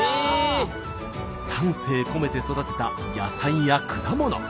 丹精込めて育てた野菜や果物。